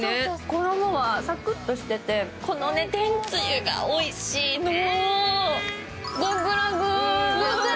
衣がサクッとしてて、この天つゆがおいしいの！